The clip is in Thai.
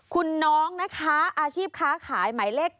คุณน้องนะคะอาชีพค้าขายหมายเลข๙